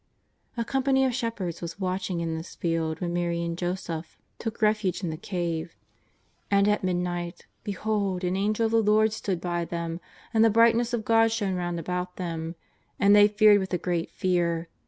A company of shepherds was watching in this field when Mary and Joseph took refuge in the cave. And at midnight ^' behold an Angel of the Lord stood by them, and the brightness of God shone round about them, and they feared with a great fear.